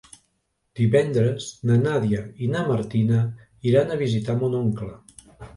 Divendres na Nàdia i na Martina iran a visitar mon oncle.